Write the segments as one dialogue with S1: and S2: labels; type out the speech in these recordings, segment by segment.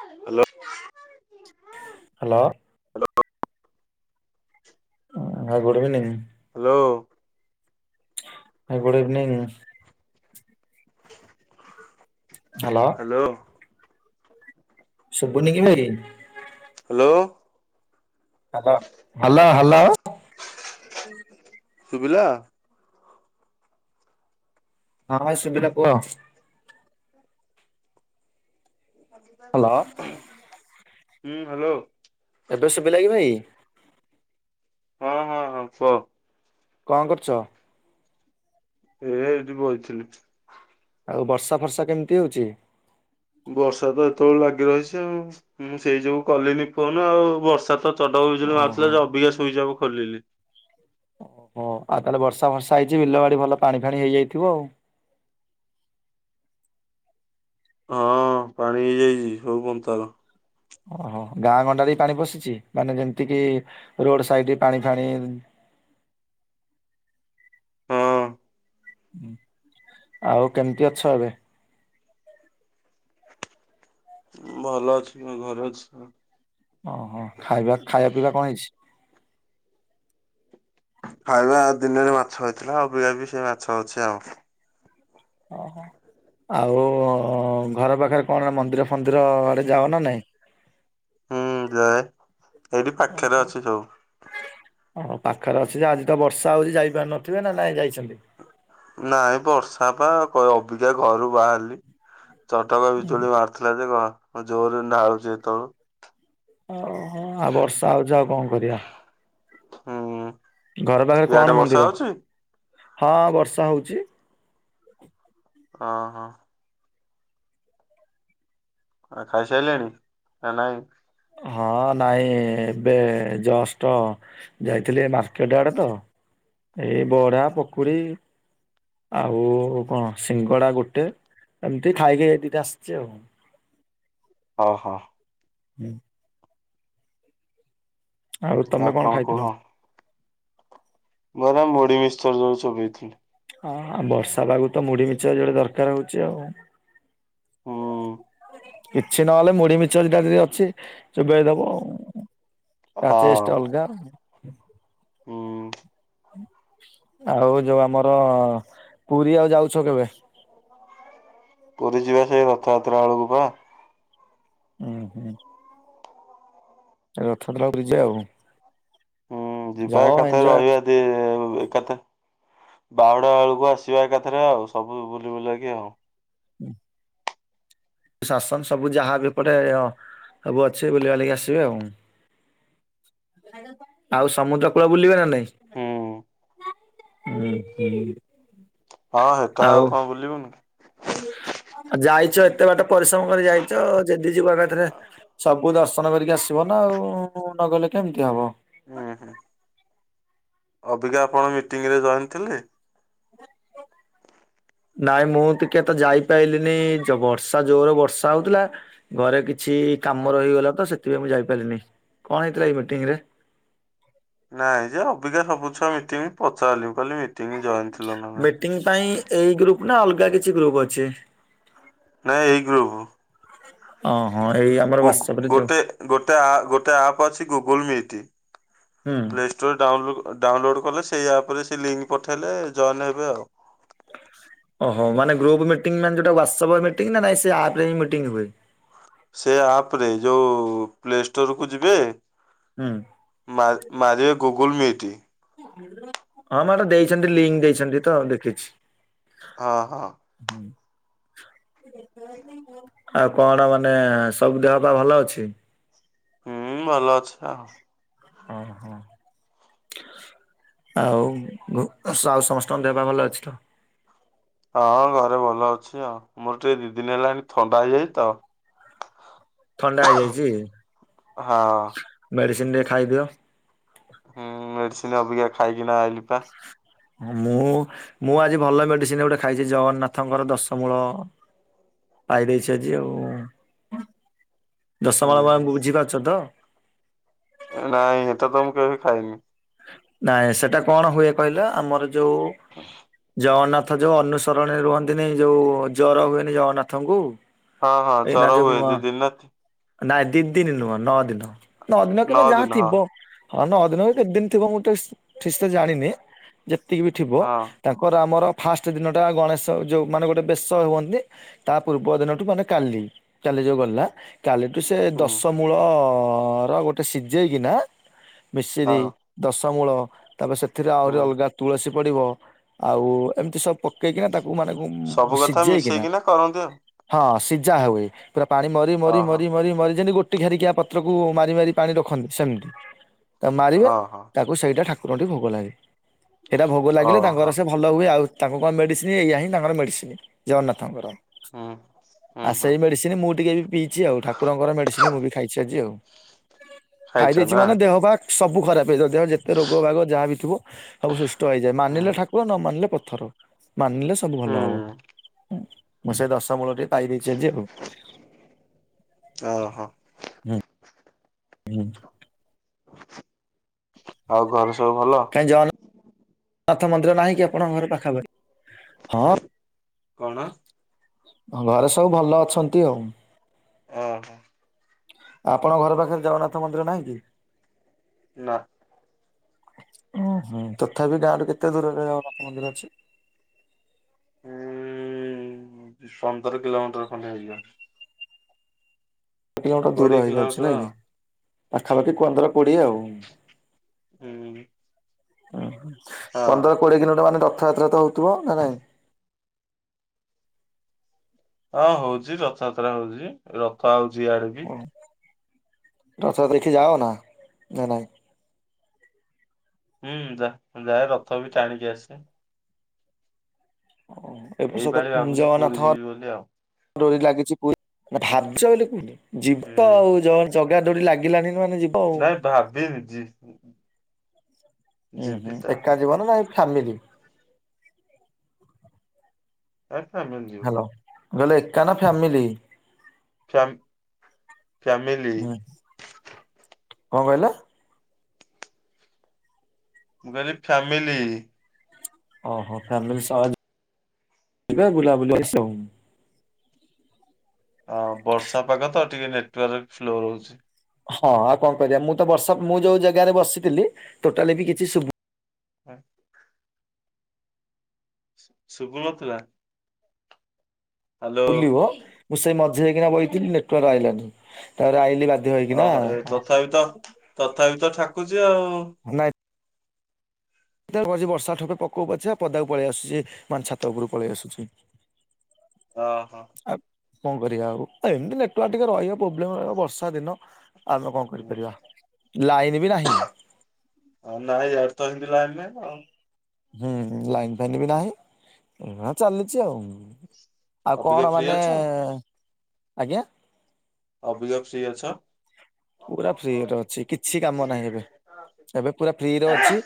S1: Hello.
S2: Hello. ହଃ sir good evening.
S1: Hello.
S2: ସାରେ good evening. Hello.
S1: Hello.
S2: ସୁବୁନି କି ଭାଇ?
S1: ହାଲୋ।
S2: ହାଲୋ ହାଲୋ ହାଲୋ
S1: ଶୁଭିଲା?
S2: ହଁ ଏ ସୁଭିଲା କୁହ? ହଲୋ
S1: ହୁଁ ହ୍ୟାଲୋ।
S2: ଏବେ ଶୁଭିଲା କି ଭାଇ?
S1: ହଁ ହଁ ହଁ କୁହ।
S2: କଣ କରୁଛ?
S1: ଏ ଏଇଠି ବଇଥିଲି।
S2: ଆଉ ବର୍ଷା ଫର୍ଷା କେମିତି ହଉଛି?
S1: ବର୍ଷା ତ ଏତେବେଳ ଲାଗି ରହିଛି ଆଉ। ମୁଁ ସେଇ ଯଗୁ କଲିନି ଫୋନ ଆଉ ବର୍ଷା ତ ଚଟକ ବିଜୁଳି
S2: ଓହୋ
S1: ମାରୁଥିଲା ଯେ ଅବିକା ସ୍ୱିଚ ଅଫ ଖୋଲିଲି।
S2: ଓହୋ ଆଉ ତାହେଲେ ବର୍ଷା ବର୍ଷା ହେଇଛି ବିଲ ବାଡି ଭଲ ପାଣି ଫାଣି ହେଇଯାଇଥିବ ଆଉ।
S1: ହଁ ପାଣି ହେଇଯାଇଛି ସବୁ ପନ୍ଥାର।
S2: ଓହୋ ଗାଁ ଗଣ୍ଡାରେ ପାଣି ପଶିଛି ମାନେ ଯେମତି କିି ରୋଡ ସାଇଡରେ ପାଣି ଫାଣି।
S1: ହଁ।
S2: ହୁଁ ଆଉ କେମିତି ଅଛ ଏବେ?
S1: ଭଲ ଅଛି, ମୋ ଘରେ ଅଛି।
S2: ଓହୋ ଖାଇବା, ଖାଇବା ପିଇବା କଣ ହେଇଛି?
S1: ଖାଇବା ଦିନରେ ମାଛ ହେଇଥିଲା ଅବିକା ବି ସେ ମାଛ ଅଛି ଆଉ।
S2: ଓହୋ। ଆଉ ଘର ପାଖରେ କଣ ମନ୍ଦିର ଫନ୍ଦିର ଆଡେ ଯାଅ ନା ନାଇଁ?
S1: ହୁଁ ଯାଏ। ଏଇଠି ପାଖରେ ଅଛି ସବୁ।
S2: ହଁ ପାଖରେ ଅଛି ଯେ ଆଜି ତ ବର୍ଷା ହଉଛି ଯାଇପାରୁ ନଥିବେ ନା ନାଇଁ ଯାଇଛନ୍ତି?
S1: ନାଇଁ ବର୍ଷା ପା କ ଅବିକା ଘରୁ ବାହାରଲି। ଛଅଟା କୁ
S2: ହୁଁ।
S1: ବିଜୁଳି ମାର ଥିଲା ଯେ କଣ [unintelligible] ଜୋରରେ ଢାଳୁଛି ହେତେବେଳୁ।
S2: ଓହ ଆଉ ବର୍ଷା ହଉଛି ଆଉ କଣ କରିବା?
S1: ହୁଁ।
S2: ଘର ପାଖରେ
S1: ଇଆଡେ
S2: କଣ
S1: ବର୍ଷା
S2: ମନ୍ଦିର?
S1: ହଉଛି
S2: ହଁ ବର୍ଷା ହଉଛି।
S1: ଅଁ ହଁ। ଆ ଖାଇସାରିଲେଣି ନା ନାଇଁ?
S2: ହଁ ନାଇଁ ଏବେ ଜଷ୍ଟ ଯାଇଥିଲି ମାର୍କେଟ ଆଡେ ତ ଏଇ ବରା ପକୁଡ଼ି ଆଉ କଣ ସିଙ୍ଗଡା ଗୋଟେ ଏମିତି ଖାଇକି ଦିଟା ଆସିଛି ଆଉ
S1: ଓହୋ।
S2: ହୁଁ। ଆଉ ତମେ କଣ ଖାଇଥିଲ?
S1: ବରା ମୁଢ଼ି ମିକ୍ସଚର ଯଉ ଚୋବେଇଥିଲି।
S2: ହଁ ବର୍ଷା ପାଗ ତ ମୁଢି ମିକ୍ସଚର ଯୋଉଟା ଦରକାର ହଉଛି ଆଉ।
S1: ହୁଁ।
S2: କିଛି ନହେଲେ ମୁଢି ମିକ୍ସଚର ଦିଟା ଯଦି ଅଛି ଚୋବେଇ ଦବ ଆଉ। ତା
S1: ହଁ
S2: ଟେଷ୍ଟ ଅଲଗା।
S1: ହୁଁ।
S2: ଆଉ ଯୋଉ ଆମର ପୁରୀ ଆଉ ଯାଉଛ କେବେ?
S1: ପୁରୀ ଯିବା ସେଇ ରଥଯାତ୍ରା ବେଳକୁ ପରା।
S2: ଉଁ ହୁଁ। ରଥ ଗ୍ରହ କୁ ଯିବା ଆଉ।
S1: ହୁଁ ଯିବା
S2: ଯାଅ
S1: ଏକାଥରେ
S2: ଏଞ୍ଜୟ
S1: ରହିବା ଦି ଏ ଉ ଏକାଥ ବାହୁଡା ବେଳକୁ ଆସିବା ଏକାଥରେ ଆଉ ସବୁ ବୁଲି ବୁଲା କିି ଆଉ
S2: ହୁଁ [inaudible] ଶାସନ ସବୁ ଯାହା ବି ଏପଟେ ଅ ସବୁ ଅଛି ବୁଲିବାଲିକି ଆସିବେ ଆଉ ଆଉ ସମୁଦ୍ର କୂଳ ବୁଲିବେ ନା ନାଇଁ?
S1: ହୁଁ।
S2: ହୁଁ ହୁଁ।
S1: ହଁ ହେଟା ଆଉ କଣ ବୁଲିବୁନି?
S2: ଯାଇଛ ଏତେ ବାଟ ପରିଶ୍ରମ କରି ଯାଇଛ ଯଦି ଯିବୁ ଆମେ ଏଥରେ ସବୁ ବୁ ଦର୍ଶନ କରିକି ଆସିବ ନା ଆଉ ନଗଲେ କେମିତି ହବ।
S1: ହୁଁ ହୁଁ। ଅବିକା ଆପଣ ମିଟିଂ ରେ ଜଏନ ଥିଲେ?
S2: ନାଇଁ ମୁଁ ଟିକେ ତ ଯାଇପାରିଲିନି, ବର୍ଷା ଜୋର ବର୍ଷା ହଉଥିଲା। ଘରେ କିଛି
S1: ହଁ
S2: କାମ ରହିଗଲା ତ ସେଥିପାଇଁ ମୁଁ ଯାଇପାରିଲିନି। କଣ ହେଇଥିଲା ଏଇ ମିଟିଂ ରେ?
S1: ନାଇଁ ଯେ ଅବିକା ସବୁ ଛୁଆ ମିଟିଂ ପଚାରଲି କହିଲି ମିଟିଂ ଜଏନ ଥିଲ ନା ନାଇଁ।
S2: ମିଟିଂ ପାଇଁ ଏଇ ଗ୍ରୁପ ନା ଅଲଗା କିଛି ଗ୍ରୁପ ଅଛି।
S1: ନାଇଁ ଏଇ ଗ୍ରୁପ।
S2: ଅଁ ହଁ ଏଇଆ।
S1: ଗୁଗୁ ଗୋଟେ ଗୋଟେ ଆ ଗୋଟେ ଆପ୍ ଅଛି ଗୁଗୁଲ ମିଟ୍।
S2: ହୁଁ।
S1: ପ୍ଲେ ଡାଉଲୋ ଡାଉନଲୋଡ଼୍ କଲେ ସେଇ ଆପ୍ର ରେ ସେ ଲିଙ୍କ୍ ପଠାଇଲେ ଜଏନ୍ ହେବେ ଆଉ
S2: ଓହୋ ମାନେ ଗ୍ରୁପ ମିଟିଂ ମାନେ ୱାଟସ ଅପ ମିଟିଂ ନା ନାଇଁ ସେ ଆପ ରେ ମିଟିଂ ହୁଏ।
S1: ସେ ଆପ ରେ ଯୋଉ ପ୍ଲେ ଷ୍ଟୋର କୁ ଯିବେ
S2: ହୁଁ
S1: ମା ମାାରିବେ ଗୁଗୁଲ ମିଟ୍।
S2: ହଁ ମ୍ୟାଡାମ ଦେଇଛନ୍ତି ଲିଙ୍କ ଦେଇଛନ୍ତି ତ ଦେଖିଛି।
S1: ହଁ ହଁ
S2: ହୁଁ ଆଉ କଣ ମାନେ ସବୁ ଦେହ ବା ଭଲ ଅଛି।
S1: ହୁଁ ଭଲ ଅଛି ଆଉ।
S2: ଅ ହଁ ଆଉ ସମସ୍ତଙ୍କ ଦେହ ପା ଭଲ ଅଛି ତ?
S1: ହଁ ଘରେ ଭଲ ଅଛି ଆଉ ମୋର ଟିକେ ଦି ଦିନ ହେଲାଣି ଥଣ୍ଡା ହେଇଯାଇଛି ତ।
S2: ଥଣ୍ଡା ହେଇଯାଇଛି
S1: ହଁ
S2: ମେଡିସିନ ଟିଏ ଖାଇଦିଅ।
S1: ହୁଁ ମେଡିସିନ ଅବିକା ଖାଇକିନା ଆଇଲିି ପା।
S2: ମୁଁ ମୁଁ ଆଜି ଭଲ ମେଡିସିନ ଗୋଟେ ଖାଇଛି ଜଗନ୍ନାଥଙ୍କର ଦଶମୂଳ ପାଇ ଦେଇେଇଛି ଆଜି ଆଉ
S1: ହୁଁ
S2: ଦଶମାଳ
S1: ହୁଁ।
S2: ମଙ୍କୁ ବୁଝି ପାରୁଛ ତ।
S1: ନାଇଁ ଏ ତ ତ ମୁଁ କେବେ ବି ଖାଇନି। ା
S2: ନାଇଁ ସେଟା କଣ ହୁଏ କହିଲ ଆମର ଯୋଉ ଜଗନ୍ନାଥ ଯୋଉ ଅନୁସରଣରେ ରୁହନ୍ତିନି ଯୋଉ ଜର ହୁଏନି ଜଗନ୍ନାଥଙ୍କୁ
S1: ହଁ ହଁ
S2: ଏଇନା
S1: ଜର ହୁଏ
S2: ଯୋଉ
S1: ଦି ଦିନ ନା
S2: ନାଇଁ ଦି ଦିନ ନୁହ ନଅ ଦିନ ନଅ ଦିନ କିମ୍ବା ଯାହା
S1: ଦିନ ହଁ
S2: ଥିବ ହଁ ନଅ ଦିନ ବି କେତେ ଦିନ ଥିବ ମୁଁ ଟିକେ ଠିକ ସେ ଜାଣିନି ଯେତିକି ବି ଥିବ
S1: ହଁ
S2: ତାଙ୍କର ଆମର ଫାଷ୍ଟ ଦିନଟା ଗଣେଶ ଯୋଉ ମାନେ ଗୋଟେ ବେଶ ହୁଅନ୍ତି। ତା ପୂର୍ବ ଦିନଠୁ ମାନେ କାଲି, କାଲି ଯୋଉ ଗଲା। କାଲିଠୁ ସେ
S1: ହୁଁ
S2: ଦଶ ମୂଳ ର ଗୋଟେ ସିଝେଇକିନା
S1: ହଁ
S2: ମିଶିରିି ଦଶମୂଳ ତାପରେ ସେଥିରେ ଆହୁରି
S1: ହୁଁ।
S2: ଅଲଗା ତୁଳସୀ ପ ପଡିବ ଆଉ ଏମିତି ସବୁ ପକେଇକିନା ତାକୁ ମାନେ ଉଁମ-ମ୍
S1: ସବୁ କଥା
S2: ସିଝେଇକିନା
S1: ମିଶେଇକିନା କରନ୍ତି ଆଉ
S2: ହଁ ସିଝା ହୁଏ ପୁରା ପାଣି ମରି ମରି
S1: ଓହୋ
S2: ମରି ମରି ମରି ଯେମିତି ଗୋଟେ। [unintelligible] ଘାରିକି ପତ୍ରକୁ ମାରି ମାରି ପାଣି ରଖନ୍ତି ସେମିତି ତା ମାରିବେ ଟି
S1: ଓହୋ
S2: ତାକୁ ସେଇଟା ଠାକୁରଙ୍କଠି ଭୋଗ ଲାଗେ ସେଇଟା ଭୋଗ ଲାଗିଲେ ତାଙ୍କର
S1: ଓହୋ
S2: ସେ ଭ ଭଲ ହୁଏ ଆଉ ତାଙ୍କୁ କଣ ମେଡ଼ିସିନ ଏଇୟଆ ହିଁ ତାଙ୍କର ମେଡ଼ିସିନ ଜଗନ୍ନାଥଙ୍କର।
S1: ହୁଁ। ହୁଁ
S2: ଆଉ
S1: ହୁଁ
S2: ସେଇ ମେଡିସିନ ମୁଁ ଟିକେ ବି ପିଇଛି ଆଉ ଠାକୁରଙ୍କର ମେଡିସିନ ମୁଁ ବି ଖାଇଛି ଆଜି ଆଉ ଖାଇ
S1: ଖାଇଛ
S2: ଦେଇେଇଛି
S1: ନା
S2: ମାନେ ଦେହ ବା ସବୁ ଖରାପ ହେଇଯିବ ଦେହ ଯେତେ ରୋଗ ଭାଗ ଯାହା ବି ଥିବ ସବୁ ସୁଷ୍ଟ ହେଇଯଏ
S1: ହୁଁ
S2: ମାନିଲେ ଠା ପୁରା ନ ମାନିଲେ ପଥର ମାନିଲେ ସବୁ ଭଲ ହବ।
S1: ହୁଁ
S2: ମୁଁ ସେଇ ଦଶ ମୂଳ ଟିକେ ପାଇ ଦେଇଛି ଆଉ।
S1: ଅ ହ।
S2: ହୁଁ
S1: ଆଉ ଘରେ ସବୁ ଭଲ।
S2: ନାଥ ମନ୍ଦିର ନାହିଁକି ଆପଣଙ୍କ ଘର ପାଖାପାଖି?
S1: କଣ
S2: ହଁ ଘରେ ସବୁ ଭଲ ଅଛନ୍ତି ଆଉ।
S1: ଅ--ହ।
S2: ଆପଣ ଘର ପାଖରେ ଜଗନ୍ନାଥ ମନ୍ଦିର ନାହିଁ କି?
S1: ନା।
S2: ଓଁ ହୁଁ ତଥାପି ଗାଁ ରୁ କେତେ ଦୂରରେ ଜଗନ୍ନାଥ ମନ୍ଦିର ଅଛି।
S1: ଉଁ ଉଁ ପନ୍ଦର କିଲୋମିଟର ଖଣ୍ଡେ ହେଇଯିବ।
S2: କିଲୋମିଟର ଦୂର
S1: କୋଡିଏ
S2: ହେଇଯାଉଛି
S1: କିଲୋମିଟର
S2: ନାଇଁ କି। ପାଖାପାଖି ପନ୍ଦର କୋଡିଏ ଆଉ।
S1: ହୁଁ।
S2: ଅଁ ପନ୍ଦର କୋଡିଏ କିଲୋମିଟର୍ ମାନେ ରଥଯାତ୍ରା ତ ହଉଥିବ ନା ନାଇଁ।
S1: ଅ ହଉଛି ରଥଯାତ୍ରା ହଉଛି ରଥ ଆଉ ୟାଡି କି।
S2: ରଥଯାତ୍ରା ଦେଖି ଯାଅ ନା ନା ନାଇଁ।
S1: ହୁଁ ଯା ଯାଏ ରଥ ବି ଟାଣିକି ଆସେ।
S2: ଓ ଏ
S1: ଏଇ
S2: ବର୍ଷୋ ତ
S1: ପାଳି ଭାବୁଛି ପୁରୀ
S2: ଜଗନାଥ
S1: ଯିବି ବୋଲି ଆଉ।
S2: ଡୋରି ଲାଗିଛି ପୁର୍ ଭାବଚ ବୋଲି କୁହନି ଯିବତ
S1: ହୁଁ
S2: ଆଉ ଜ ଜଗା ଦୌଡି ଲାଗିଲାନି ମାନେ ଯିବ୍
S1: ନାଇଁ ଭାବି ନିି ଯି
S2: ଉଁ ହୁଁ
S1: ଯିବି ତ
S2: ଏକା ଯିବନା ନା ଫ୍ୟାମିଲି।
S1: ଏ ଫ୍ୟାମିଲି ଯିବୁ।
S2: ଗଲେ ଏକା ନା ଫ୍ୟାମିଲି।
S1: Fam family.
S2: ହୁଁ କଣ କହିଲ?
S1: ମୁଁ କହିଲି ଫ୍ୟାମିଲି।
S2: ଓହୋ ଫ୍ୟାମିଲି ସହ ଯି ଯିବ ବୁଲାବୁଲି ଏସବୁ।
S1: ଅ ବର୍ଷା ପାଗ ତ ଟିକେ ନେଟୱାର୍କ ସ୍ଲୋ ରହୁଚି।
S2: ହଁ ଆଉ କଣ କରିବା ମୁଁ ତ ବର୍ଷା ମୁଁ ଯୋଉ ଜାଗାରେ ବସିଥିଲି ଟୋଟାଲି ବି କିଛି ସୁବୁ
S1: ହଁ। ଶୁ ଶୁ ଶୁଭୁନଥିଲା। ହ୍ୟାଲୋ
S2: ବୁଲିବ ମୁଁ ସେଇ ମଝି ଯଇକିନା ବହିଥିଲି ନେଟୱାର୍କ ଆଇିଲାନି ତାରେ ଆଇିଲି ବା
S1: ଓହୋ ଏ ତଥାପି ତ ତଥାପି ତ ଠାକୁଚି ଆଉ।
S2: ନାଇ- ବର୍ଷା ଠୋପେ ପକଉ ପଛେ ଆ ପଦାକୁ ପଳେଇ ଆସୁଛି ମାନ ଛାତ ଉପରୁ ପଳେଇ ଆସୁଛି।
S1: ଅ ହଁ।
S2: ଆ କଣ କରିବା ଆଉ ଏମତି ନେଟୱାର ଟିକେ ରହିବ ପ୍ରୋବ୍ଲେମ୍ ରହିବ ବର୍ଷା ଦିନ ଆମେ କଣ କରିପାରିବା, ଲାଇନ ବି ନାହିଁ।
S1: ହଁ ନାଇଁ ଯାଉଛି ହେମ୍ତି ଲାଇନ୍ ନାଇଁ ଆଉ।
S2: ହୁଁ ଲାଇନ ଫାଇନ୍ ବି ନାହିଁ ହଁ ଚାଲିଛି ଆଉ। ଆଉ
S1: ଅବିକା
S2: କଣ
S1: ଫ୍ରି
S2: ମାନେ
S1: ଅଛ
S2: ଆଜ୍ଞା
S1: ଅବିଗା ଫ୍ରି ଅଛ।
S2: ପୁରା ଫ୍ରି ରେ ଅଛି କିଛି କାମ ନାହିଁ ଏବେ। ଏବେ ପୁରା ଫ୍ରିରେ ଅଛି।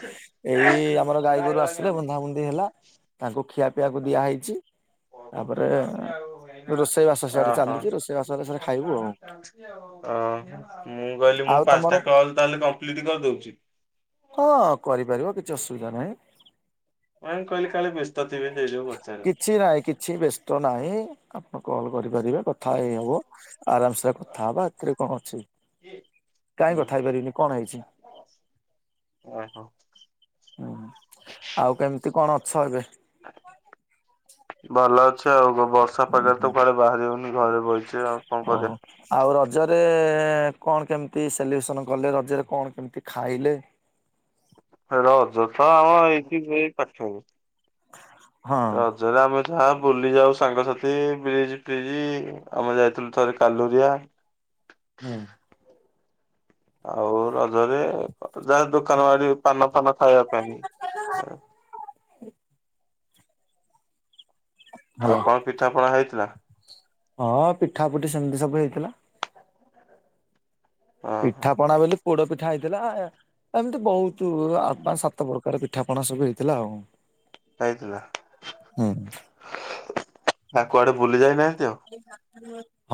S2: ଏଇ ଆମର ଗାଈ ଗୋରୁ ଆସିଲେ ବନ୍ଧାାବନ୍ଧି ହେଲା। ତାଙ୍କୁ ଖିଆ ପିଆକୁ ଦିଆହେଇଛି। ତାପରେ ରୋଷେଇ ବାସ ସିଆଡେ
S1: ଓହୋ।
S2: ଚାଲିଛି ରୋଷେଇ ବାସରେ ସେଠା ଖାଇବୁ ଆଉ।
S1: ଅ ମୁଁ କହିଲି ମୁଁ
S2: ଆଉ ତମର
S1: ପାଞ୍ଚଟା କଲ ତାହେଲେ କମ୍ପ୍ଲିଟ କରିଦଉଛି।
S2: ହଁ କରିପାରିବ କିଛି ଅସୁବିଧା ନାହିଁ।
S1: ନାଇ କହିଲି କାଲି ବ୍ୟସ୍ତ ଥିବେ ସେଇଜଗୁ ପଚାରେ।
S2: କିଚିନାଇ କିଛି ବ୍ୟସ୍ତ ନାହିଁ ଆପଣ କଲ୍ କରିପାରିବେ କଥା ହେଇ ହବ। ଆରାମସେ କଥା ହବା ଏଥିରେ କଣ ଅଛି।
S1: ହୁଁ
S2: କାଇ କଥା ହେଇ ପାରିବିନି କଣ ହେଇଛି?
S1: ଓହୋ।
S2: ହୁଁ ଆଉ କେମିତି କଣ ଅଛ ଏବେ?
S1: ଭଲ ଅଛି ଆଉ ବର୍ଷା
S2: ହୁଁ
S1: ପାଗରେ
S2: ହୁଁ
S1: ତ କୁଆଡେ ବାହାରି ହଉନି ଘରେ ବହି ଆଉ କଣ
S2: ଓହୋ
S1: କରି
S2: ଆଉ ରଜରେ କଣ କେମିତି ସେଲିବ୍ରେସନ କଲେ ରଜରେ କଣ କେମିତି ଖାଇଲେ?
S1: ରଜ ତ ଆମ ହେଇଛି ସେ ପାଖରେ
S2: ହଁ
S1: ରଜରେ ଆମେ ଯାହା ବୁଲି ଯାଉ ସାଙ୍ଗସାଥି ବ୍ରିଜ ଫ୍ରିଜ୍ ଆମେ ଯାଇଥିଲୁ ଥରେ କାଲୁରିଆ
S2: ହୁଁ।
S1: ଆଉ ରଜରେ ଯାହା ଦୋକାନ ବାଡି ପାନ ଫାନ ଖାଇବା ପାଇଁ।
S2: [inaudible]
S1: ଆଉ
S2: ହ୍ୟାଲୋ
S1: କଣ ପିଠା ପଣା ହେଇଥିଲା?
S2: ହଁ ପିଠା ପୁଟି ସେମିତି ସବୁ ହେଇଥିଲା।
S1: ଓହୋ
S2: ପିଠା ପଣା ବୋଲି ପୋଡ ପିଠା ହେଇଥିଲା। ଏମିତି ବହୁତ ପାଞ୍ଚ ସାତ ପ୍ରକାର ପିଠାପଣା ସବୁ ହେଇଥିଲା ଆଉ
S1: ହେଇଥିଲା
S2: ହୁଁ।
S1: ତା କୁଆଡେ ବୁଲି ଯାଇନାହାନ୍ତି ଆଉ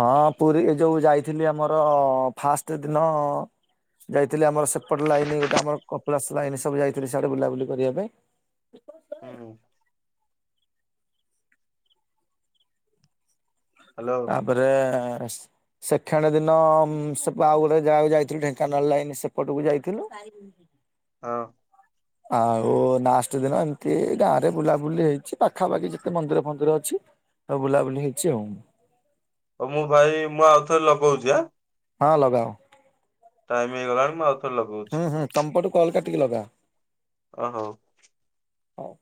S2: ହଁ ପୁରୀ ଏ ଯୋଉ ଯାଇଥିଲି ଆମର ଫାଷ୍ଟ ଦିନ ଯାଇଥିଲି ଆମର ସେପଟ ଲାଇନ ଗୋଟେ ଆମର କପିଳାସ ଲାଇନ ସବୁ ଯାଇଥିଲି ସିଆଡେ ବୁଲାବୁଲି କରିବା ପାଇଁ।
S1: ହୁ ହ୍ୟାଲୋ
S2: ତାପରେ ସେକେଣ୍ଡ ଦିନ ସେ ଆଉ ଗୋଟେ ଯାହାକୁ ଯାଇଥିଲୁ ଢେଙ୍କାନାଳ ଲାଇନ ସେପଟକୁ ଯାଇଥିଲୁ। ପାରି
S1: ହଁ
S2: ଆଉ ଲାଷ୍ଟ ଦିନ ଏମିତି ଗାଁ ରେ ବୁଲାବୁଲି ହେଇଛି ପାଖାପାଖି ଯେତେ ମନ୍ଦିର ଫନ୍ଦିର ଅଛି। ସବୁ ବୁଲାବୁଲି ହେଇଛି ଆଉ
S1: ହଉ ମୁଁ ଭାଇ ମୁଁ ଆଉଥରେ ଲଗଉଛି ଆ
S2: ହଁ ଲଗାଅ।
S1: ଟାଇମ ହେଇଗଲାଣି ମୁଁ ଆଉ
S2: ହଁ ହଁ ତମପଟୁ କଲ କାଟିକି ଲଗା।
S1: ଓ ହୋଉ
S2: ହଉ।